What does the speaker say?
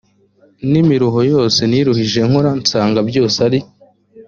n imiruho yose niruhije nkora nsanga byose ari